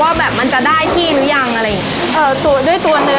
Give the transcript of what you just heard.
ว่ามันจะได้ที่รู้ยังอะไรอย่างนี้